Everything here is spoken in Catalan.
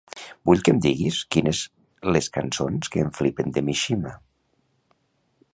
Vull que em diguis quines les cançons que em flipen de Mishima.